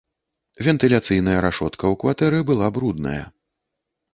Вентыляцыйная рашотка ў кватэры была брудная.